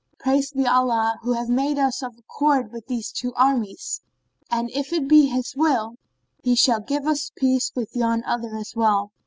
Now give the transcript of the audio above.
Praised be Allah who hath made us of accord with these two armies; and if it be His will, He shall give us peace with yon other as well."